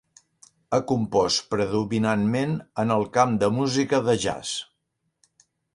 Ha compost predominantment en el camp de música de jazz.